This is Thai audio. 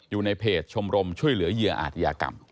อยู่ในเพจชมรมช่วยเหลือเหยื่ออาจยากรรม